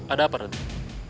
ada apa raden